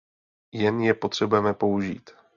Jen je potřebujeme použít.